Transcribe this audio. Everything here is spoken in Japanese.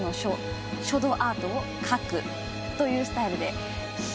書道アートを「書く」というスタイルで。